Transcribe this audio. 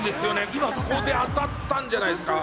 今ここで当たったんじゃないですか？